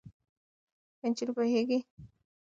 ایا نجونې پوهېږي چې زده کړه د ټولنیز پرمختګ سبب کېږي؟